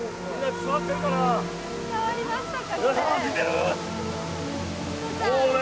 伝わりましたかね。